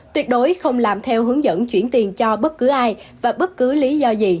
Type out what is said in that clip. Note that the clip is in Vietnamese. tuyệt đối không làm theo hướng dẫn chuyển tiền cho bất cứ ai và bất cứ lý do gì